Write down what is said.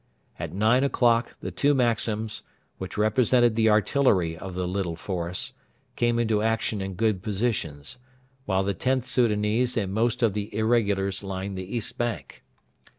At nine o'clock the two Maxims, which represented the artillery of the little force, came into action in good positions, while the Xth Soudanese and most of the irregulars lined the east bank.